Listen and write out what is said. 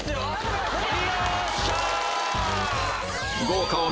よっしゃ！